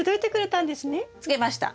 つけました。